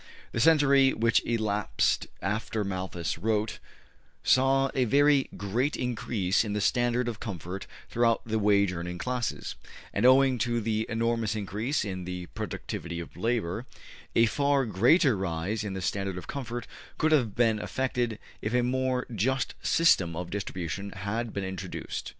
The century which elapsed after Malthus wrote, saw a very great increase in the standard of comfort throughout the wage earning classes, and, owing to the enormous increase in the productivity of labor, a far greater rise in the standard of comfort could have been effected if a more just system of distribution had been introduced.